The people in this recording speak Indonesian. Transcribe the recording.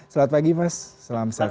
selamat pagi mas salam sehat